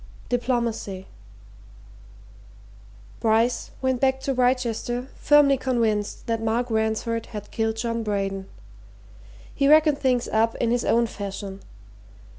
DIPLOMACY Bryce went back to Wrychester firmly convinced that Mark Ransford had killed John Braden. He reckoned things up in his own fashion.